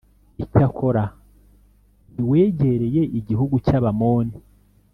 icyakora ntiwegereye igihugu cy’abamoni